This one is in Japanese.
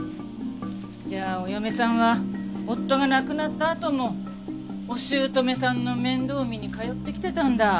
じゃあお嫁さんは夫が亡くなったあともお姑さんの面倒を見に通ってきてたんだ。